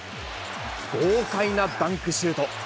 豪快なダンクシュート。